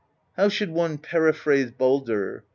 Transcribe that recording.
"How should one periphrase Baldr?